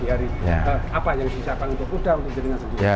apa yang disiapkan untuk kuda